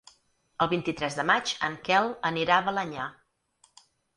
El vint-i-tres de maig en Quel anirà a Balenyà.